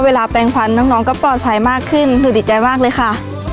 แปลงควันน้องก็ปลอดภัยมากขึ้นหนูดีใจมากเลยค่ะ